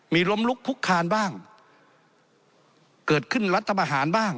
มีล้มลุกคุกคานบ้างเกิดขึ้นรัฐบาหารบ้าง